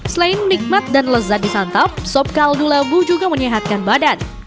selain nikmat dan lezat disantap sop kaldu labu juga menyehatkan badan